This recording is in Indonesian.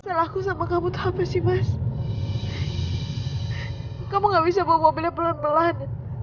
selaku sama kamu tak masih mas kamu nggak bisa bawa bila pelan pelan